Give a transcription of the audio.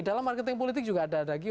dalam marketing politik juga ada